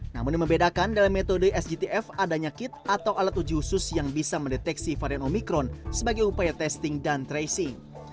namun yang membedakan dalam metode sgtf adanya kit atau alat uji khusus yang bisa mendeteksi varian omikron sebagai upaya testing dan tracing